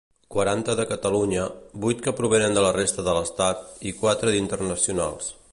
Quaranta de Catalunya, vuit que provenen de la resta de l'Estat, i quatre d'internacionals.